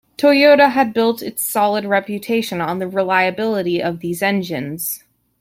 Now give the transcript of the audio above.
Toyota had built its solid reputation on the reliability of these engines.